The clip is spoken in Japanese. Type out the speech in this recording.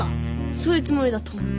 そういうつもりだと思う。